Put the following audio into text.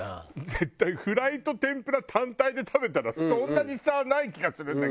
絶対フライと天ぷら単体で食べたらそんなに差ない気がするんだけど。